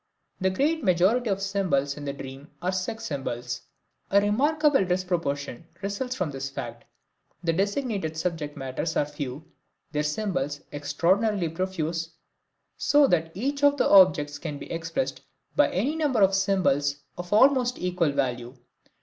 The great majority of symbols in the dream are sex symbols. A remarkable disproportion results from this fact. The designated subject matters are few, their symbols extraordinarily profuse, so that each of these objects can be expressed by any number of symbols of almost equal value.